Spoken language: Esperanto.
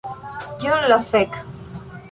Kion la fek...